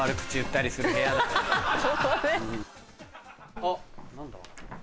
あっ何だ？